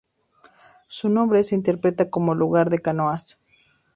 Su nombre se interpreta como "Lugar de canoas".